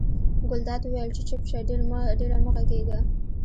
ګلداد وویل چپ شه ډېره مه غږېږه.